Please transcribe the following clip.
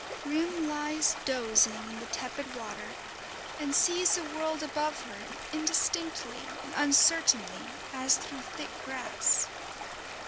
Grim lies dozing in the tepid water, and sees the world above her indistinctly and uncertainly as through thick grass.